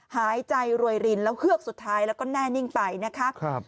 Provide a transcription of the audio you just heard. หายใจรวยรินแล้วเฮือกสุดท้ายแล้วก็แน่นิ่งไปนะคะ